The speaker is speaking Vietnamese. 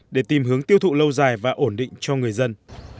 để tìm hướng tiêu thụ lâu dài và ổn định cho người dân